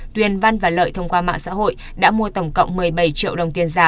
tuyền văn và lợi thông qua mạng xã hội đã mua tổng cộng một mươi bảy triệu đồng tiền giả